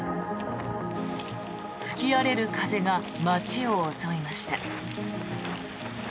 吹き荒れる風が街を襲いました。